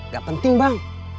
gak penting bang